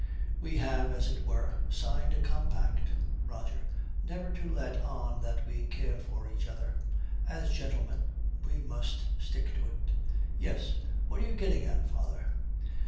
'We have, as it were, signed a compact, Roger, never to let on that we care for each other. As gentlemen we must stick to it.' 'Yes. What are you getting at, father?'